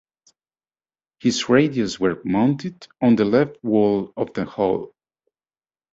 His radios were mounted on the left wall of the hull.